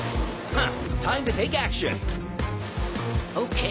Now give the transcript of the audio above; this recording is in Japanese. あっ！